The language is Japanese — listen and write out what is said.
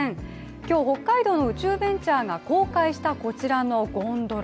今日、北海道の宇宙ベンチャーが公開したこちらのゴンドラ。